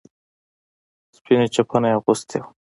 سپينه چپنه يې اغوستې وه.